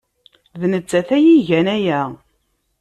D nettat ay igan aya.